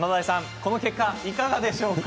この結果いかがですか？